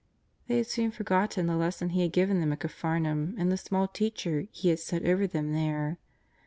They had soon forgotten the lesson He had given them at Capharnaum and the small teacher He had set over them there.